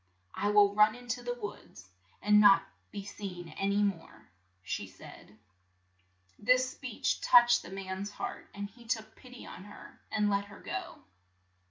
"I will run in to the wilds, and not be seen an y more," said she. This speech touched the man's heart, and he took pit y on her, and let her go.